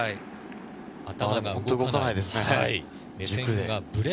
頭が本当に動かないですね。